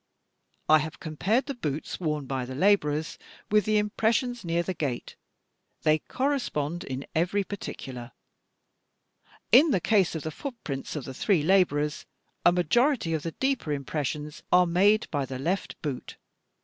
"I have compared the boots worn by the labourers with the im pressions near the gate. They correspond in every particular. " In the case of the footprints of the three labourers, a majority of the deeper impressions are made by the left boot.